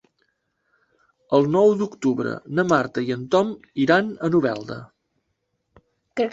El nou d'octubre na Marta i en Tom iran a Novelda.